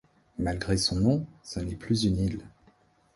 Malgré son nom, ce n'est plus une île.